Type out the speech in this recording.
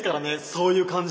そういう感情。